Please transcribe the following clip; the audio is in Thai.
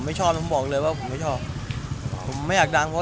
มีคนมองเรากันมุมใหม่มายอะ